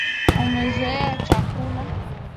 Umezoea chakula?